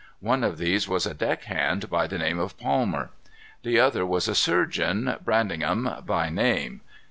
One of these was a deck hand, by the name of Palmer. The other was a surgeon, Bradingham by name.